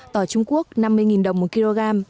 tỏi trung quốc năm mươi đồng một kg